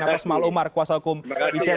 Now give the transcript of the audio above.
atas mal umar kuasa hukum icw